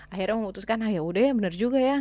akhirnya memutuskan ya udah ya benar juga ya